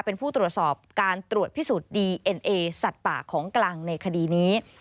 เป็นผู้ตรวจสอบการตรวจพิสูจน์ดีเอ็นเอสัตว์ป่าของกลางในคดีนี้